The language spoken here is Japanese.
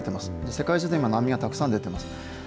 世界中で今、難民がたくさん出てます。